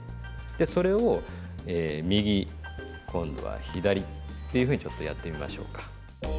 でそれを右今度は左っていうふうにちょっとやってみましょうか。